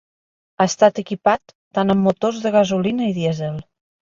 Ha estat equipat tant amb motors de gasolina i dièsel.